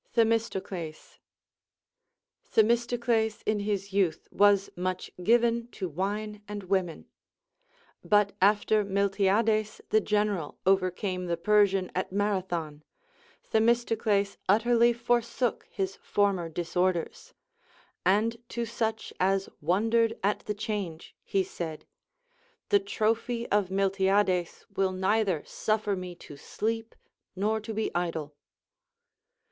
Themistocles. Themistocles in his youth w^as much given to wine and women. But after Miltiades the gen eral overcame the Persian at Marathon, Themistocles utterlv forsook his former disorders ; and to such as won dered at the change, he said, The trophy of Miltiades will neither suffer me to sleep nor to be idle.